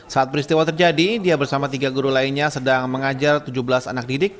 saat peristiwa terjadi dia bersama tiga guru lainnya sedang mengajar tujuh belas anak didik